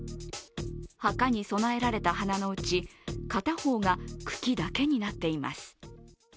墓に供えられた花のうち、片方が茎だけになっています。